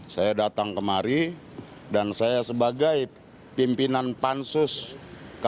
saya datang kemari dan saya sebagai pimpinan pansus kpk